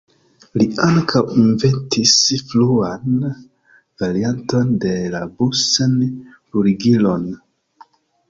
Li ankaŭ inventis fruan varianton de la Bunsen-bruligilon.